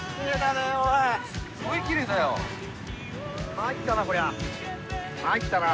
参ったなこりゃ。